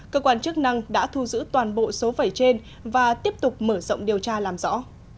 cơ quan chức năng đã thu giữ toàn bộ số vẩy trên và tiếp tục mở rộng điều tra làm rõ